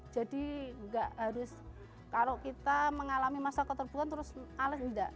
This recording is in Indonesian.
jadi enggak harus kalau kita mengalami masa keterbukaan terus ales tidak